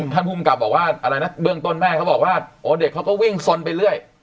ภูมิกับบอกว่าอะไรนะเบื้องต้นแม่เขาบอกว่าโอ้เด็กเขาก็วิ่งสนไปเรื่อย